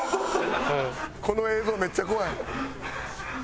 この映像めっちゃ怖い。